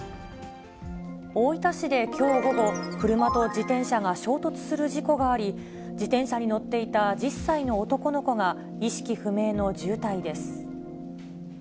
大分市できょう午後、車と自転車が衝突する事故があり、自転車に乗っていた１０歳の男の子が、意識不明の重体です。